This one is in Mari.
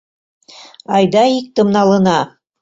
Айда иктым налына!..